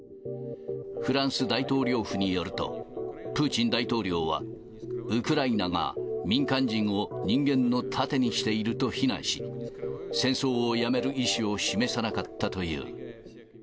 フランス大統領府によると、プーチン大統領は、ウクライナが民間人を人間の盾にしていると非難し、戦争をやめる意思を示さなかったという。